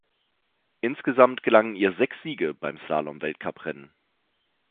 Insgesamt gelangen ihr sechs Siege bei Slalom-Weltcuprennen.